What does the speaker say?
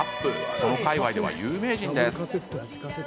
その界わいでは有名人です。